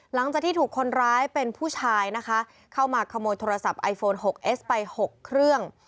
หลังจากที่ถูกคนร้ายเป็นผู้ชายนะคะเข้ามาขโมยโทรศัพท์ไอโฟน๖เอสไป๖เครื่อง